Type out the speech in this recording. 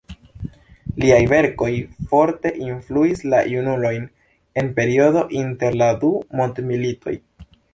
Liaj verkoj forte influis la junulojn en periodo inter la du mondmilitoj.